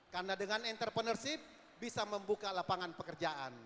karena dengan entrepreneurship bisa membuka lapangan pekerjaan